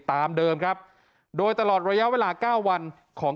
ตามเดิมครับโดยตลอดระยะเวลาเก้าวันของ